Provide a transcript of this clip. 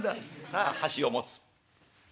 さあ箸を持つ。